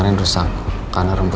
terima kasih ma